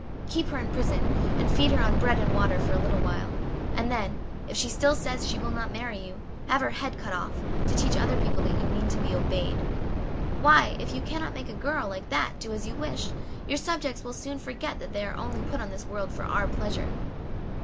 Keep her in prison, and feed her on bread and water for a little while, and then, if she still says she will not marry you, have her head cut off, to teach other people that you mean to be obeyed. Why, if you cannot make a girl like that do as you wish, your subjects will soon forget that they are only put into this world for our pleasure."